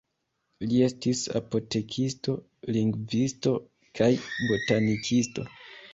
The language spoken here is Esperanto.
Li estis apotekisto, lingvisto kaj botanikisto.